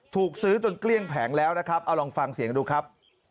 ถูกซื้อจนเกลี้ยงแผงแล้วนะครับเอาลองฟังเสียงดูครับ